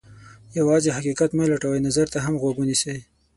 یوازې حقیقت مه لټوئ، نظر ته هم غوږ ونیسئ.